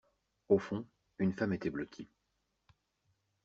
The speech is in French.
Au fond, une femme était blottie.